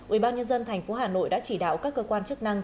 ubnd tp hà nội đã chỉ đạo các cơ quan chức năng